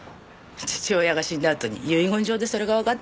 父親が死んだあとに遺言状でそれがわかったのよ。